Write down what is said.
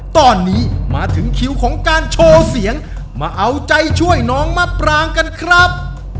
ตอนนี้มาถึงคิวของการโชว์เสียงมาเอาใจช่วยน้องมะปรางกันครับ